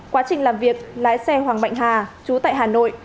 quá trình làm việc lái xe hoàng mạnh hà chú tại hà nội